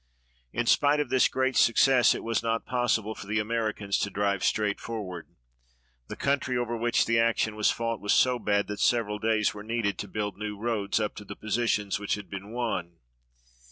In spite of this great success it was not possible for the Americans to drive straight forward. The country over which the action was fought was so bad that several days were needed to build new roads up to the positions which had been won.